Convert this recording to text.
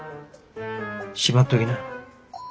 しまっときな。